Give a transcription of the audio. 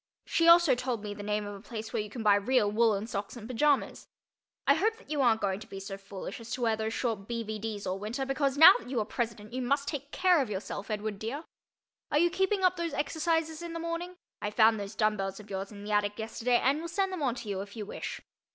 She also told me the name of a place where you can buy real woolen socks and pajamas. I hope that you aren't going to be so foolish as to wear those short B. V. D.'s all winter because now that you are president you must take care of yourself, Edward dear. Are you keeping up those exercises in the morning? I found those dumb bells of yours in the attic yesterday and will send them on to you if you wish.